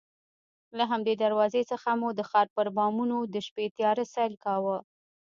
له همدې دروازې څخه مو د ښار پر بامونو د شپې تیاره سیل کاوه.